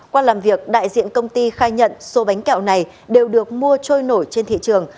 qua làm việc đại diện công ty khai nhận số bánh kẹo này đều được mua trôi nổi trên thị trường